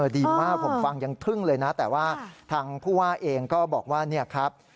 ดีมากผมฟังยังทึ่งเลยนะแต่ว่าทางผู้ว่าเองก็บอกว่าเนี่ยครับ